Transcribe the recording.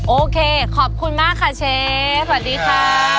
โอเคขอบคุณมากค่ะเชฟสวัสดีค่ะ